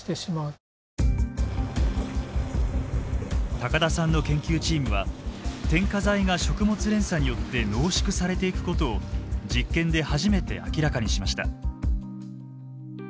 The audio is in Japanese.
高田さんの研究チームは添加剤が食物連鎖によって濃縮されていくことを実験で初めて明らかにしました。